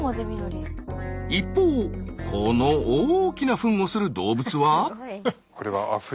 一方この大きなフンをする動物は。